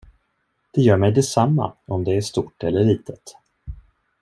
Det gör mig detsamma om det är stort eller litet.